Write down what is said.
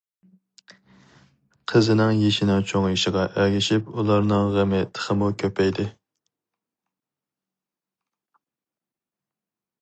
قىزىنىڭ يېشىنىڭ چوڭىيىشىغا ئەگىشىپ ئۇلارنىڭ غېمى تېخىمۇ كۆپەيدى.